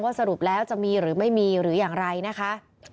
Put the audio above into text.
สรุปแล้วจะมีหรือไม่มีหรืออย่างไรนะคะ